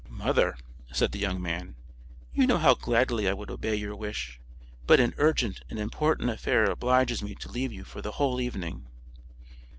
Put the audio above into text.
"Mother," said the young man, "you know how gladly I would obey your wish, but an urgent and important affair obliges me to leave you for the whole evening."